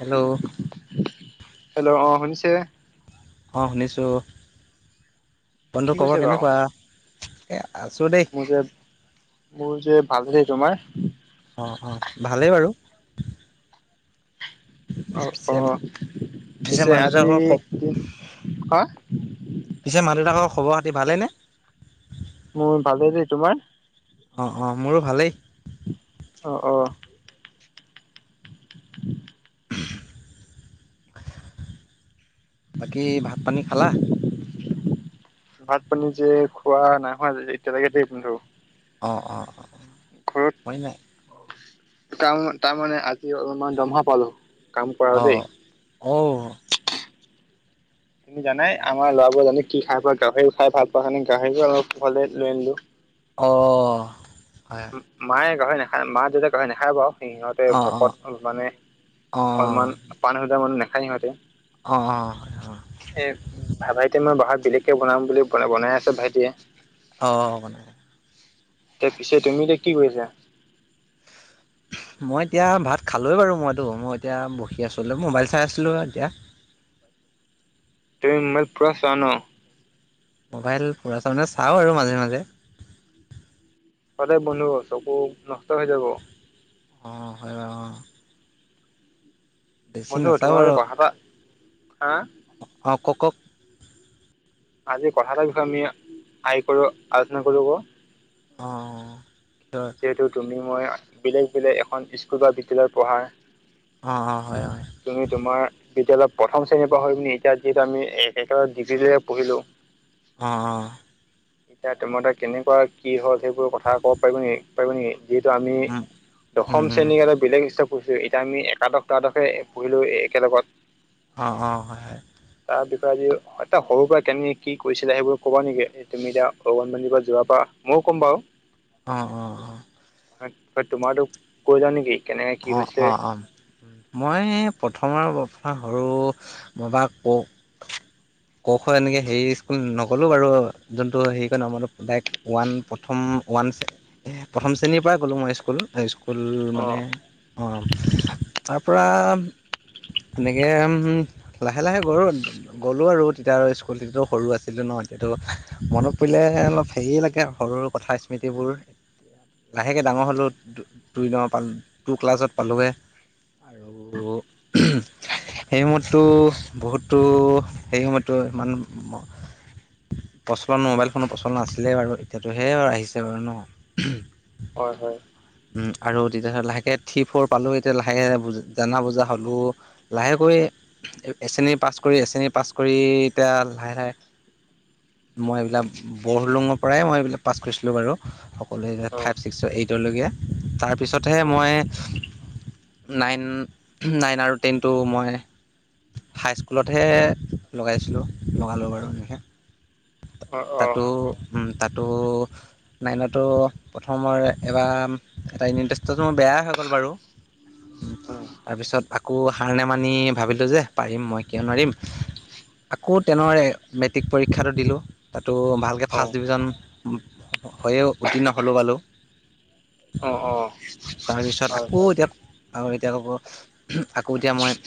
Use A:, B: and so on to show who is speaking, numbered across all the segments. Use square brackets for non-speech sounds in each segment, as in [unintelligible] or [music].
A: Hello
B: hello অ', শুনিছে
A: অ', শুনিছো
B: কি
A: বন্ধুৰ খবৰ
B: কৈছে বাৰু
A: কেনেকুৱা এ আছো দেই।
B: মোৰ যে মোৰ যে ভালেই, তোমাৰ?
A: অ', অ' ভালেই বাৰু।
B: অ',
A: পিছে
B: অ', পিছে
A: মা
B: আজি,
A: দেউতাকৰ খ
B: হা
A: পিছে মা দেউতাহঁতৰ খবৰ খাতি ভালেনে
B: মোৰ ভালে দে, তোমাৰ?
A: অ', অ' মোৰো ভালেই।
B: অ', অ'
A: বাকী ভাত পানী খালা
B: ভাত পানী যে খোৱা নাই হোৱা যে এতিয়ালৈকে কিন্তু
A: অ', অ', অ', অ'
B: ঘৰত।
A: [inaudible]
B: তাৰ তাৰমানে আজি অলপমান দৰমহা পালো কাম কৰা দেই
A: অ', মইও
B: তুমি জানাই আমাৰ লৰাবোৰ জানো কি খাই পোৱা গাহৰিও খাই ভাল পোৱা হয়ানে গাহৰি অলপ ঘৰলৈ লৈ আনিলো।
A: অ',
B: মায়ে গাহৰি নাখায়। মা দেউতা গাহৰি নাখায় বাৰু। সিহঁতে
A: অ অ
B: ভকত মানে,
A: অ
B: অলপমান পাণ হজা মানুহ নাখায় সিহঁতে।
A: অ', অ',
B: এ, ভাইটিয়ে মই বহাগ বেলেগকে বনাম বুলি বনাই আছে ভাইটিয়ে।
A: [inaudible]
B: তে পিছে তুমি এতিয়া কি কৰি আছা?
A: মই এতিয়া, ভাত খালোঁৱেই বাৰু মইতো, মই এতিয়া বহি আছোঁলো, মোবাইল চাই আছিলোঁ এতিয়া।
B: তুমি মোবাইল পুৰা চোৱা ন'?
A: ম'বাইল পুৰা চোৱা মানে চাওঁ আৰু মাজে-মাজে।
B: সদায় বন্ধ কৰ চকু নষ্ট হৈ যাব।
A: অ', হয় বাৰু অ' বেছি
B: বন্ধু
A: নাচাওঁ
B: তোমাৰ আজি কথা এটা হা।
A: অঁ', ক-ক-ক।
B: আজি কথা এাৰ বিষয়ে আমি, আই কৰো, আলোচনা কৰো আক'।
A: অ।
B: যিহেতু তুমি মই, বেলেগ-বেলেগ এখন স্কুল বা বিদ্যালয়ত পঢ়া।
A: অ', অ', হয়-হয়।
B: তুমি তোমাৰ তেতিয়াহ'লে প্ৰথম শ্ৰেণীৰ পৰা হৈ পি, এতিয়া যিহেতু আমি এক ডিগ্ৰীলৈকে পঢ়িলো।
A: অঁ', অঁ'।
B: এতিয়া তুমতে কেনেকুৱা, কি হ'ল, সেইবোৰ কথা ক'ব পাৰিবি নেকি? পাৰিব নেকি, যিহেতু আমি,
A: উম, উম,
B: দশম
A: উম,
B: শ্ৰেণী কাৰনে বেলেগ সি পঢ়ছো, এতিয়া আমি একাদশ, দ্বাদশে পঢ়িলো একেলগত।
A: অঁ', অঁ', হয়-হয়।
B: তাৰ বিষয়েদি, এটা সৰুৰ পৰা কেনেকি কি কৰিছিলা, সেইবোৰ ক'বা নেকি? তুমি এতিয়া, অগন বাদিপা যোৱাৰ পৰা, ময়ো ক'ম বাৰু।
A: অঁ', অঁ', অঁ'।
B: তোমাৰটো কৈ লোৱা নেকি? কেনেকে কি
A: অ',
B: হৈছে
A: অ', অ'। মই, প্ৰথমৰ সৰু বা ক'। ক খ এনেকে হেৰি স্কুল নগ'লোঁ বাৰু, যোনটো হেৰি [unintelligible] ওৱান প্ৰথম, ওৱান। প্ৰথম শ্ৰেণীৰ পৰাই গ'লোঁ মই স্কুল। স্কুল
B: অ
A: মানে অঁ', তাৰপৰা এনেকে, উ', লাহে-লাহে গৰু গ'লো আৰু তেতিয়া আৰু স্কুলটো সৰু আছিলো ন', এতিয়াতো মনত পৰিলে অলপ হেৰি লাগে, সৰু কথা স্মৃতিবোৰ।
B: [inaudible]
A: লাহেকে ডাঙৰ হ'লোঁ। দুই ন, টু ক্লাছত পালোঁগে। আৰু সেই সময়তো, বহুতো সেই সময়ততো ইমান প্ৰচলন, মোবাইল ফোনৰ প্ৰচলন আছিলে।
B: হয়-হয়।
A: উম', আৰু তেতিয়া লাহেকে থি ফ'ৰ পালো, এতিয়া লাহেকে জানা বুজা হলো। লাহেকৈ, এ শ্ৰেণী পাছ কৰি, এ শ্ৰেণী পাছ কৰি, এতিয়া লাহে-লাহে মই এইবিলাক, বৰহলুঙৰ পৰাই মই এইবিলাক পাছ কৰিছিলোঁ বাৰু। সকলোৱে,
B: অ
A: ফাইভ ছিক্স এইটলৈকে, তাৰপিছতহে
B: অ
A: মই নাইন, নাইন আৰু টেনটো মই হাইস্কুলতহে, লগাইছিলোঁ। লগালোঁ বাৰু এনেকৈ।
B: অ
A: তাতো তাতো, নাইনতো প্ৰথমৰ এবাৰ [unintelligible] বেয়াই হৈ গ'ল বাৰু।
B: [unintelligible]
A: তাৰপিছত আকৌ সাৰ নেমানি ভাবিলোঁ যে পাৰিম মই কিয় নোৱাৰিম। আকৌ তেনৰ মেট্ৰিক পৰীক্ষাটো দিলোঁ, তাতো ভাল ফাৰ্ষ্ট ডিভিজন, উম' হৈয়ে উত্তীৰ্ণ হ'লোঁ বালোঁ।
B: অ অ
A: তাৰপিছত
B: অ
A: আকৌ এতিয়া আৰু এতিয়া ক'ব, আকৌ এতিয়া মই।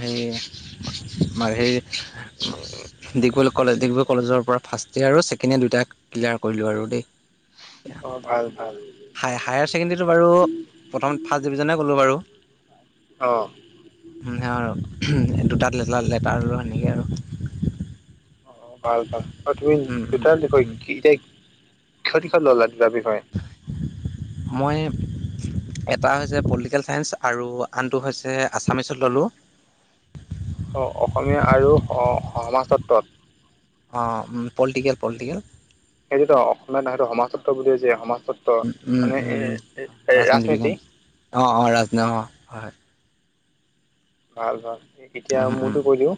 A: হেৰি [unintelligible]
B: [unintelligible]
A: দীঘল কলেজ ডিব্ৰগড় কলেজৰ পৰা ফাৰ্ষ্ট ইয়েৰ আৰু ছেকেণ্ড ইয়েৰ দুইটা ক্লিয়াৰ কৰিলোঁ আৰু দেই।
B: অ' ভাল ভাল।
A: হাই হায়াৰ ছেকেণ্ডেৰীটো বাৰু, প্ৰথম ফাৰ্ষ্ট ডিভিজনেই গ'লোঁ বাৰু।
B: অ'।
A: উম, হেৰ' দুটাত লেটাৰ লেটাৰলো সেনেকে আৰু।
B: অ' ভাল ভাল আৰু তুমি দুটাৰ বিষয় এতিয়া, কিহঁত কিহঁত ল'লা দুটা বিষয়?
A: মই এটা হৈছে পলিটিকেল চাইন্স আৰু আনটো হৈছে আছামিছত ল'লোঁ।
B: অ অসমীয়া আৰু অ' সমাজত্বত।
A: অ' উম, পলিটিকেল পলিটিকেল।
B: সেইটোতো অসমীয়াত নহয়টো সমাজত্ব বুলিয়েই যে সমাজত্ব মানে এ, এ, ৰাজনীতি।
A: অ', অ' ৰাজন' অ' হয়।
B: ভাল ভাল। এতিয়া
A: উম, উম,
B: মোৰতো কৈ দিওঁ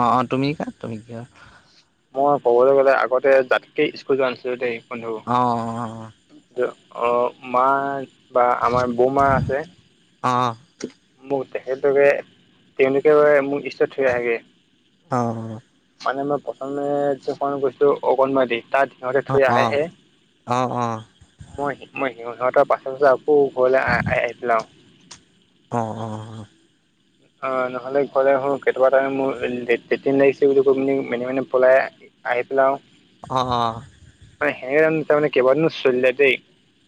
A: অ', অ' তুমি কা তুমি কিহত
B: মই ক'বলৈ গ'লে আগতে যাতকে স্কুল যোৱা নাছিলোঁ দেই।
A: অ', অ', অ'।
B: দিয়ক। অ' মা বা আমাৰ বৌমা আছে।
A: অ'।
B: মোক তেখেতলোকে তেনেকে মোক দিষ্টত থৈ আহেগে।
A: অ
B: মানে মই প্ৰথমে জোনটো অগনবাদি তাত সিহঁতে
A: অ
B: থৈ
A: অ অ
B: আহেহে।
A: অ অ অ
B: মই মই সিহঁতৰ পাছে পাছে আকৌ ঘৰলৈ আ, আ, আহি যাওঁ।
A: অ', অ', অ'।
B: অ' নহ'লে তেকিয়াবা টাইমে মোৰ লেট্ৰিন লাগিছে বুলি কৈ পিনে মনে মনে পলাই আহি পেলাওঁ।
A: অ', অ'।
B: মানে হেনেকে যেন কেইবা দিনো চলিলে দেই।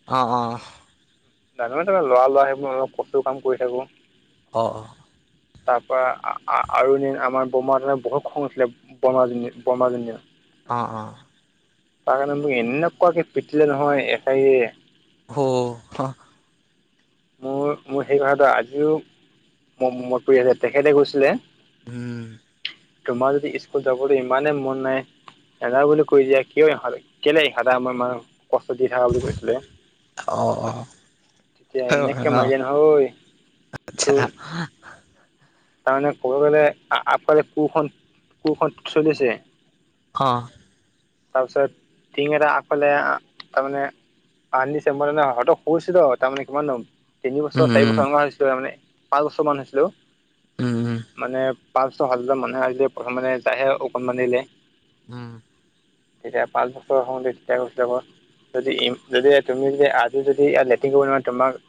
A: অ', অ'।
B: ডাঙৰ ডাঙৰ ল'ৰা ল'ৰা সেইবোৰৰ লগত কঠোৰ কাম কৰি থাকোঁ।
A: অ', অ'।
B: তাৰপা আ-আ-আৰু এদিন আমাৰ বমাহঁতৰ বহুত খং উঠিলে। বমাজনীৰ বৰমাজনীৰ অ'।
A: অ', অ'।
B: তাৰ কাৰণে মোক এনেকুৱাকে পিটিলে নহয় এচাৰিৰে।
A: অ'।
B: মোৰ মোৰ সেই কথাটো আজিও ম-মত পৰি আছে, তেখেতে কৈছিলে
A: হুম।
B: তোমাৰ যদি স্কুল যাবলৈ ইমানেই মন নাই নেযাওঁ বুলি কৈ দিয়া, কিয় ইহঁতে কেলে ইহঁতে আমাৰ মানে কষ্ট দি থাকা বুলি কৈছিলে।
A: অ', অ'।
B: এতিয়া
A: অ
B: এনেকে মাৰিলে নহয়,
A: আচ্ছা
B: তোৰ তাৰমানে ক'ব গ'লে আগফালে কোৰখন, কোৰখন চলিছে।
A: অ'।
B: তাৰপাছত টিং এটা আগফালে তাৰমানে আনিছে মইে মানে হঠাৎ শুইছিলোঁ তাৰমানানে কিমান দ'ম তিন বছৰ, চাৰি
A: উম
B: বছৰমানান হৈছিলে মানে পাঁচ বছৰমানান হৈছিলোঁ।
A: উম, উম।
B: মানে পাঁচ ছ সাতজন মানুহে আজিলে প্ৰথম মানে যায়হে অকণমানিলে
A: উম।
B: তেতিয়া পাঁচ বছৰৰ সময়তে তেতিয়া গৈছিলোঁ আকৌ। যদি যদি তুমি যদি আজি যদি লেটিং কৰিব নোৱাৰা তোমাক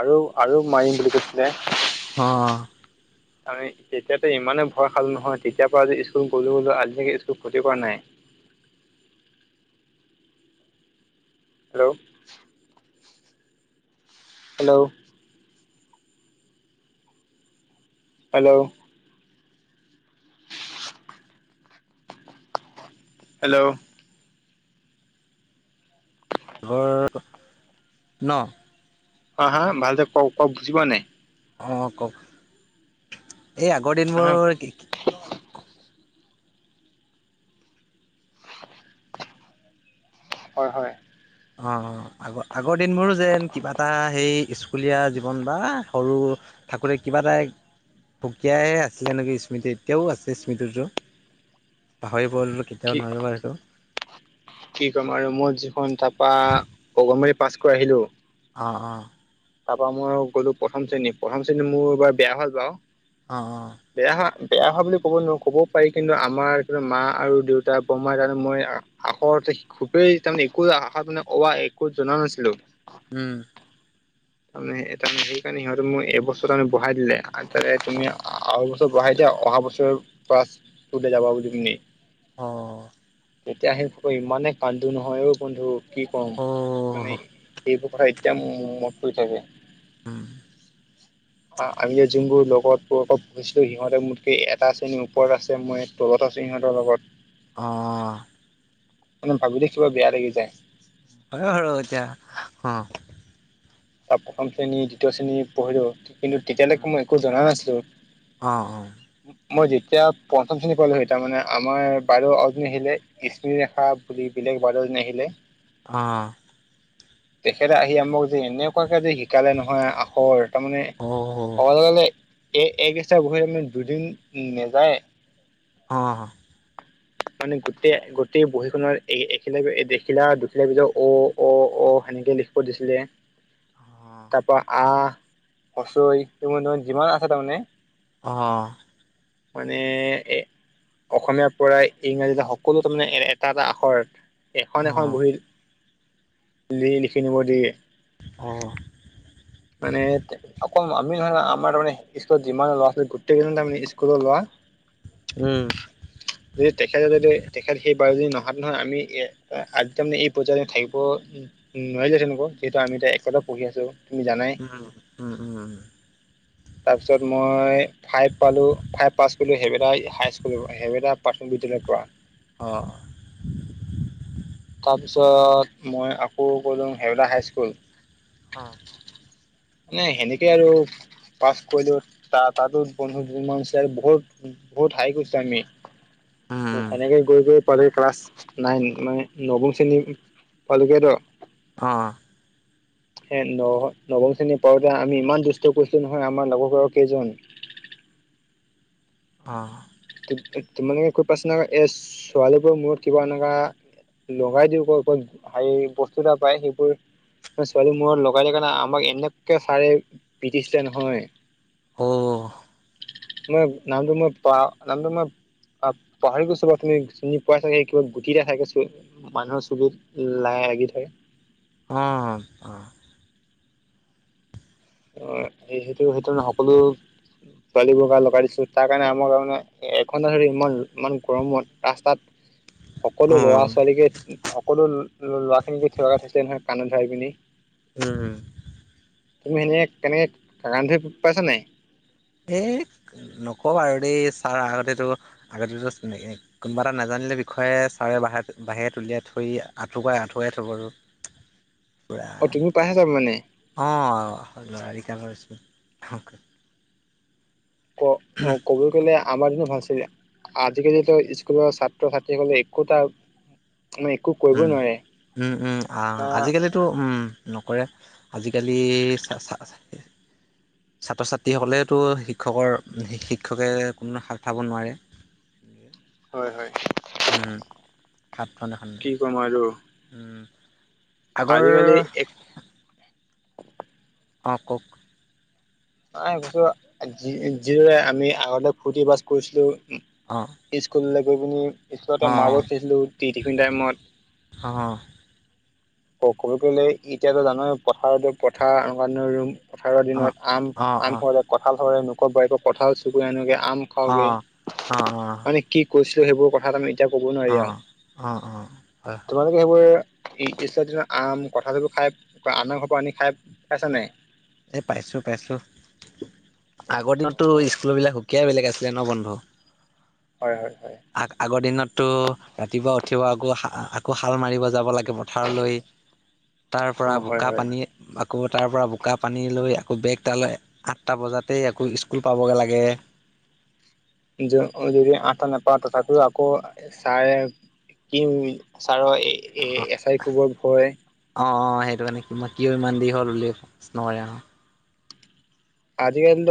B: আৰু আৰু মাৰিম বুলি কৈছিলে।
A: অ', অ'।
B: আমি তেতিয়াতো ইমান ভয় খালোঁ নহয়, তেতিয়া পৰা আজি স্কুল গ'লো বুলো আজিলৈকে স্কুল ক্ষতি কৰা নাই। হেল্ল'। হেল্ল'। হেল্ল'। হেল্ল'।
A: আঘৰ ন?
B: অ হা ভাল দে ক ক বুজিবা নাই?
A: অ কওক এই আগৰ
B: নহয়।
A: দিনবোৰ কি
B: হয় হয়।
A: অ। আগ আগৰ দিনবোৰো যেন কিবা এটা সেই স্কুলীয়া জীৱন বা সৰু ঠাকুৰে কিবা এটা সুকীয়াই আছিলে এ ননেকি স্মৃতি এতিয়াও আছে স্মৃতিটো। পাহৰিবোঁ কেতিয়াও
B: কি
A: নোৱাৰিব সেইটো।
B: কি ক'ম আৰু মই যিখন তাৰপা অগনবাৰি পাছ কৰি আহিলো।
A: অ অ।
B: তাৰ পৰাা মই গ'লো প্ৰথম শ্ৰেণী প্ৰথম শ্ৰেণীত মোৰ এবাৰ বেয়া হল বাৰু।
A: অ অ।
B: বেয়া হোৱা বেয়া হোৱা বুলি ক'ব নোৱাৰো ক'বও পাৰি কিন্তু আমাৰ মা আৰু দেউতা বৰমা তমানে মই আখৰ খুবেই তাৰমানে একো আষা মানে অৱ একো জনা নাছিলো।
A: উম।
B: তাৰোৰমানে সেইকাৰণে সিহঁতে মোক এই বস্তু তি বহাই দিলে ত তুমি আৰু বঢ়াইতে অহা বছৰৰ পৰা [unintelligible]
A: অ।
B: তেতিয়া সি ইমানে কান্দো নহয় অও বন্ধু। কি কৰম
A: অ
B: মানে এইেইবোৰ কথা এতিয়া মত পৰি থাকে।
A: উম
B: আম জিবোৰ লগত কিছিলো সিহঁতে মোতকে এটা শ্ৰেণীৰ ওপৰত আছে মই তলত আছো সিহঁতৰ লগত।
A: অঁ।
B: মানে ভাবিলে কিবা বেয়া লাগি যায়।
A: হয় হয় এতিয়া অ।
B: তাৰ প্ৰথম শ্ৰেণী দ্বিতীয় শ্ৰেণী পঢ়িলোঁ কিন্তু তেতিয়ালৈকে মই একো জনা নাছিলোঁ।
A: অঁ অঁ।
B: মই যেতিয়া পঞ্চম শ্ৰেণী পালো তাৰ মানে আমাৰ বাইদে অজনী আহিলে বৃষ্মি ৰেখা বুলি বেলেগ বাদল নাহিলে।
A: অঁ।
B: তেখেতে আহি আমাক যে এনেকুৱাকে যে সালে নহয় আখৰ তাৰমানে
A: অ
B: ক'বলৈ গ'লে এই একেইচা গৰি আমি দুদিন নাযায়।
A: অ।
B: মানে গোটে গোটেই বহী খনৰ এ এখিলা এখিলা দুখিলাৰ পিছত অ' অ' অ' সেনেকে লিখ প দিছিলে। তাৰ পা আ ই এইবোৰত যিমান আছে তাৰমানে।
A: অ' অ'।
B: মানে এই অসমীয়া। পৰাই ইংৰাজী সকলো তাৰমানে এটা এটা আখৰ
A: অ
B: এখন এখন বহি। লি লিখি নিব দিয়ে।
A: অ'।
B: [inaudible] মানে তে অকল আমি নহয় নহয় আমাৰ তাৰমানে স্কুলত যিমান ল'ৰাছোৱালী গোটেই কেইজন তাৰমানে স্কুলৰ লৰা।
A: উম।
B: যদি তেখেতে যদি তেখেত সেই বাৰু যদি নহাতে নহয় আমি আজি তাৰমানে এই পৰ্যায় থাকিব উম নোৱাৰি দেই থাকিব সেইটো আমিযে এতিয়া একেটা পঢ়ি আছো। তুমি জানাই
A: [inaudible]
B: তাৰপিছত মই ফাইভ পালোঁ ফাইভ পাছ কৰিলোঁ সেইবেইটা হাইস্কুল সেইবেইটা। প্ৰাথমিক বিদ্যালয়ৰ পৰা।
A: অ'
B: তাৰপিছত মই আকৌ গ'লোঁ হেউলা হাইস্কুল
A: অ'
B: নাই সেনেকে আৰু পাছ কৰিলেও তা তাতো বন্ধু [unintelligible] বহুত। বহুত হাই কৰিছো আমি
A: উম
B: সেনেকে গৈ গৈ পালে ক্লাছ নাইন মানে নৱম শ্ৰেণী পালোগে ন।
A: অ'
B: সেই ন নৱম শ্ৰেণী পাওঁতে আমি ইমান দুষ্ট কৰিছিলো নহয় আমাৰ লগৰ ঘৰৰ কেইজন।
A: আহ
B: ত ত তোমালোকে কৰি পাইছা নাবা এই ছোৱালীবোৰ মোৰ কিবা এনেকুৱা। লগাই দিয়ক আকৌ হেৰি বস্তু এটা পাই সেইবোৰ। ছোৱালীৰ মূৰত লগাই থাকে নহয় আমাক এনেকে ছাৰে পিটিছিলে নহয়।
A: অ'
B: মই নামটো মই পা নামটো মই। পা পাহৰি গৈছোলো আপুনি চিনি পাইছে নেকি কিবা গুটি দেখাই গৈছে। মানুহৰ চুলিত লা লাগি থাকে।
A: অ', অ', অ'
B: অ', সে সেইটো সেইটো নহয় সকলো। ছোৱালী বোৰৰ গাত লগাই দিছিলোঁ তাৰ কাৰণে আমাক তাৰমানে এঘণ্টা ধৰি ইমান ইমান গৰমত ৰাস্তাত। [inaudible]
A: অ
B: সকলো ল'ৰা ছোৱালীকে সকলো ল ল'ৰা খিনিকে থকা থৈছিলে নহয় কাণত ধৰাই পিনি।
A: উম উম
B: তুমি এনে কেনেক কাণত ধৰি প পাইছা নাই
A: এইক নকবা আৰু দেই ছাৰ আগতেতো আগতেতো চিনাক কোনোবা এটা নাজানিলে বিষয়ে ছাৰে বাহাৰত বাহিৰেত উলিয়াই থৈ আঠুকঢ়াই আঠুকঢ়াই থ'ব আৰু।
B: অ', তুমি পাইছা মানে
A: অ', ল'ৰালিকালৰ [unintelligible] অহ।
B: ক অ', ক'বলৈ গ'লে হা আমাৰ দিনতে ভাল আছিলে আজিকালিতো স্কুলৰ ছাত্ৰ ছাত্ৰীসকলে একো এটা না একো কৰিবই
A: উম
B: নোৱাৰে না
A: ট' উম নকৰে আজিকালি চা চা ছা ছাত্ৰ ছাত্ৰীসকলেতো শিক্ষকৰ শিক্ষকে কোনো হাত উঠাব নোৱাৰে।
B: হয় হয়।
A: উম, সাতখন এখন যে
B: কি ক'ম আৰু
A: উম। আগৰ
B: আজিকালি এক
A: অ', কওক
B: [unintelligible] ফূৰ্তি বাছ কৰিছিলো।
A: অ',
B: স্কুললৈ গৈ পিনি স্কুলতে মাৰ্বল খেলিছিলোঁ টি টিফিন টাইমত।
A: অ', অ',
B: অ', কব গলে এতিয়াতো জানো পথাৰতে পথাৰ [unintelligible] পথাৰৰ
A: অঁ
B: দিনত আম
A: অঁ
B: আম
A: অঁ
B: সৰে কঁঠাল সৰে লোকৰ বাৰীত কঁঠাল চুৰ কৰি আনোগৈ আম খাওঁগে,
A: অ', অ',
B: মানে কি কৈছোঁ সেইবোৰ কথাত আমি এতিয়া কব নোৱাৰি
A: অ',
B: আৰু,
A: অ', অ', অ', হয়
B: তোমালোকে সেইবোৰ তিছৰ দিনত আম, কঁঠাল এইবোৰ আনৰ ঘৰৰ পৰা আনি খাই পাইছা নাই
A: এ, পাইছো, পাইছো, আগৰ
B: অ'
A: দিনতটো স্কুল বিলাক সুকীয়া বেলেগ আছিলে ন বন্ধু।
B: হয়, হয়, হয়।
A: আগ আগৰ দিনতটো ৰাতিপুৱা উঠিব, আকৌ, আকৌ হাল মাৰিব যাব লাগিব। পথাৰলৈ, তাৰ পৰা
B: অ' হয়
A: বোকা
B: হয়
A: পানী আকৌ তাৰ পৰা বোকা পানীলৈ, আকৌ বেগ তালে আঠটা বজাতেই আকৌ স্কুল পাবগে লাগে।
B: য যদি আঠটা নাপাওঁ, তথাপিও আকৌ ছাৰে কিম, ছাৰৰ এ-এ এচাৰি কোবৰ ভয়।
A: অ', অ', সেইটো কাৰণে তোমাৰ কিয় ইমান দেৰি হ'ল [unintelligible]
B: আজিকালিটো